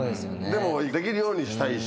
でもできるようにしたいし。